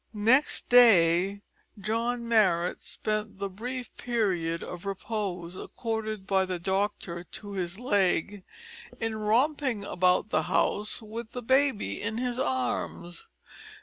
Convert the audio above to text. Next day John Marrot spent the brief period of repose accorded by the doctor to his leg in romping about the house with the baby in his arms.